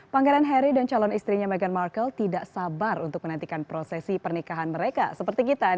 pangeran harry dan calon istrinya meghan markle tidak sabar untuk menantikan prosesi pernikahan mereka seperti kita